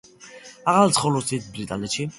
ახლა ცხოვრობს დიდ ბრიტანეთში.